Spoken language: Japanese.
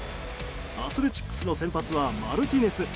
アスレチックスの先発はマルティネス。